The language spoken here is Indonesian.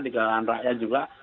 di kalangan rakyat juga